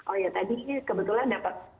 oh ya tadi kebetulan dapat